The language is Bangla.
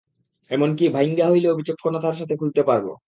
এমনকি ভাইঙ্গা হলেও বিচক্ষণতার সাথে খুলতে পারবো।